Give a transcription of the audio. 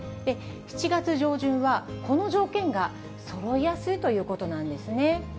７月上旬は、この条件がそろいやすいということなんですね。